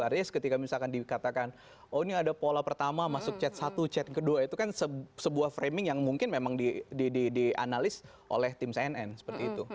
artinya ketika misalkan dikatakan oh ini ada pola pertama masuk chat satu chat kedua itu kan sebuah framing yang mungkin memang dianalis oleh tim cnn seperti itu